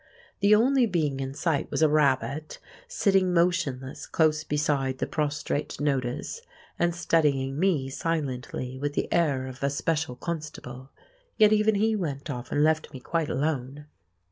The only being in sight was a rabbit, sitting motionless close beside the prostrate notice and studying me silently with the air of a special constable! Yet even he went off and left me quite alone.